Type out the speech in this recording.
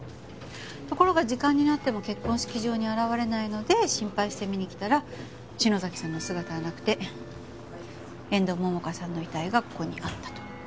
ところが時間になっても結婚式場に現れないので心配して見に来たら篠崎さんの姿はなくて遠藤桃花さんの遺体がここにあったと。